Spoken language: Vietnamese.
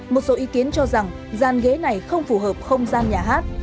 một số ý kiến cho rằng gian ghế này không phù hợp không gian nhà hát